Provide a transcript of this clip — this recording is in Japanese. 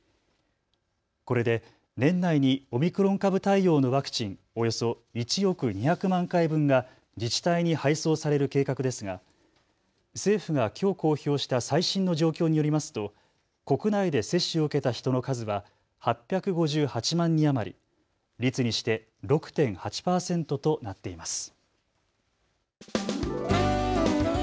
これで年内にオミクロン株対応のワクチン、およそ１億２００万回分が自治体に配送される計画ですが政府がきょう公表した最新の状況によりますと国内で接種を受けた人の数は８５８万人余り、率にして６．８％となっています。